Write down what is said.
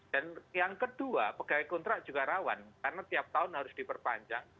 yang kedua pegawai kontrak juga rawan karena tiap tahun harus diperpanjang